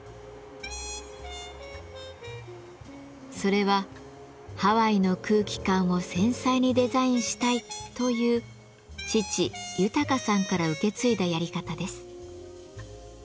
それは「ハワイの空気感を繊細にデザインしたい」という父・豊さんから受け継いだやり方です。